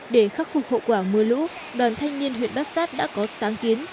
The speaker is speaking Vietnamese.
để khắc phục hậu quả mưa lũ đoàn thanh niên huyện bát sát đã có sáng kiến